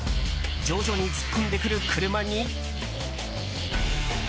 徐々に突っ込んでくる車に。